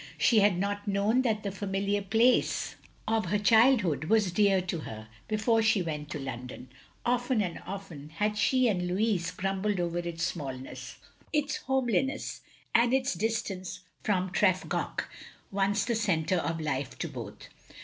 She had not known that the familiar place of 138 THE LONELY LADY her childhood was dear to her, before she went to London. Often and often had she and Louis grumbled over its smallness, its homeliness, and its distance from Tref goch, once the centre of life to both.